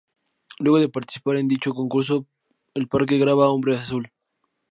Luego de participar en dicho concurso, El Parque graba Hombre azul.